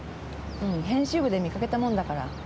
うん編集部で見かけたもんだから。